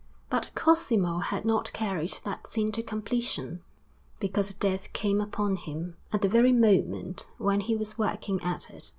But Cosimo had not carried that scene to completion, because death came upon him at the very moment when he was working at it.